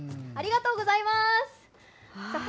ありがとうございます。